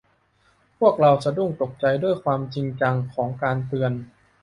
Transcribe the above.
พวกเราสะดุ้งตกใจด้วยความจริงจังของการเตือน